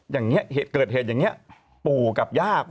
อย่างนี้เกิดเหตุอย่างนี้ปู่กับย่า